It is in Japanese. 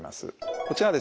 こちらはですね